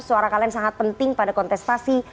suara kalian sangat penting pada kontestasi